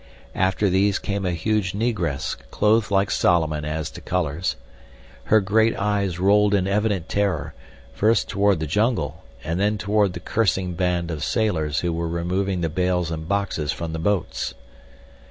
After these came a huge Negress clothed like Solomon as to colors. Her great eyes rolled in evident terror, first toward the jungle and then toward the cursing band of sailors who were removing the bales and boxes from the boats.